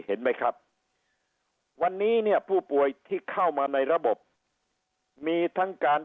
เห็นไหมครับวันนี้เนี่ยผู้ป่วยที่เข้ามาในระบบมีทั้งการ